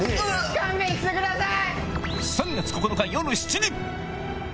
勘弁してください！